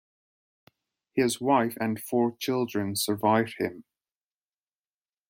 His wife and four children survived him.